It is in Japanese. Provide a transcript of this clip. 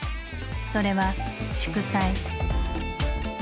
それは「祝祭」。